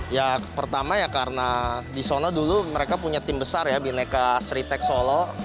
ya pertama ya karena di sana dulu mereka punya tim besar ya bineka sritek solo